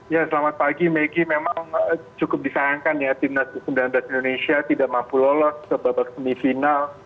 ya selamat pagi maggie memang cukup disayangkan ya timnas u sembilan belas indonesia tidak mampu lolos ke babak semifinal